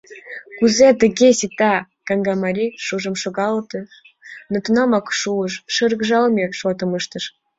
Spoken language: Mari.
— Кузе туге сита? — каҥга марий шужым шогалтыш, но тунамак шулыш, шыргыжалме шотым ыштыш.